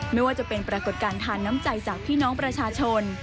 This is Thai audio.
ไม่ว่าจะเป็นปรากฏการณ์ทานน้ำใจจากพี่น้องประชาชน